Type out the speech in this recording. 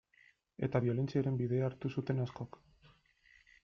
Eta biolentziaren bidea hartu zuten askok.